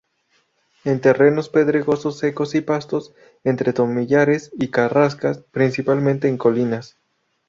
En terrenos pedregosos secos y pastos entre tomillares y carrascas, principalmente en colinas.